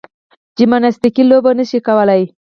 جمناستیکي لوبه نه شي کولای.